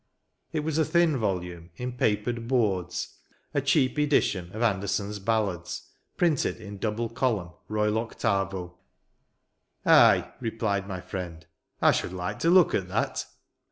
It was a thin volume, in papered boards, — a cheap edition of An derson's Ballads; printed in double column, royal octavo. " Ay," replied my friend; " I should like to look at that."